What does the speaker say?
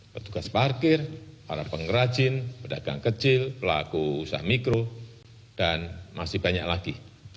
petugas parkir para pengrajin pedagang kecil pelaku usaha mikro dan masih banyak lagi